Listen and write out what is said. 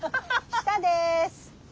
下です。